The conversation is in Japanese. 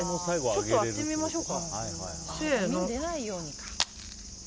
ちょっと割ってみましょうか。